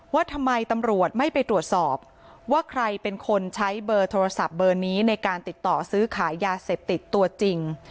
ว่าทำไมตำรวจไม่ไปตรวจสอบว่าใครเป็นคนใช้เบอร์โทรศัพท์เบอร์นี้ในการติดต่อซื้อขายยาเสพติดตัวจริง